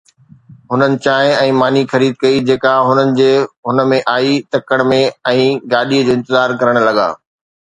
هنن چانهه ۽ ماني خريد ڪئي جيڪا هنن جي ذهن ۾ آئي تڪڙ ۾۽ گاڏيءَ جو انتظار ڪرڻ لڳا.